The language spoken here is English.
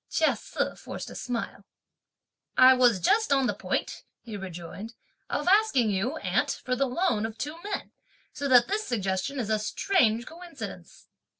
Chia Se forced a smile. "I was just on the point," he rejoined, "of asking you, aunt, for the loan of two men, so that this suggestion is a strange coincidence."